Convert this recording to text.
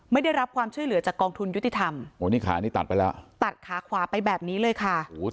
ไม่ได้รับความช่วยเหลือจากกองทุนยุติธรรมโอ้นี่ขานี่ตัดไปแล้วตัดขาขวาไปแบบนี้เลยค่ะ